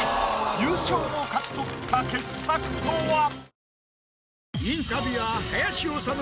優勝を勝ち取った傑作とは？